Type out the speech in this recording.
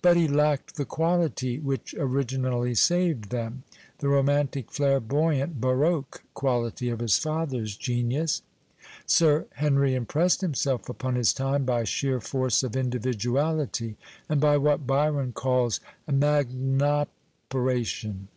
But he lacked the quahty which originally saved them, the romantic flamboyant baroque quality of his father's genius. Sir Henry impressed himself upon his time by sheer force of individuality and by what Byron calls " magnopcra tion."